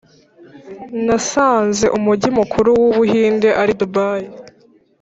nasanze umugi mukuru wubuhinde ari Dubai